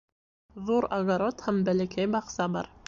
Ҙур огород һәм бәләкәй баҡса бар